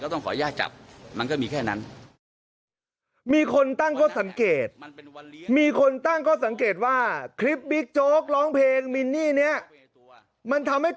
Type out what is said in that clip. ต้องขออนุญาตจับมันก็มีแค่นั้น